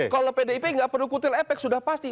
kalau pdip tidak perlu kutul efek sudah pasti